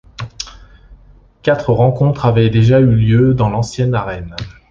Quatre rencontres avaient déjà eu lieu dans l'ancienne arène.